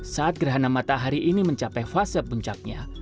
saat gerhana matahari ini mencapai fase puncaknya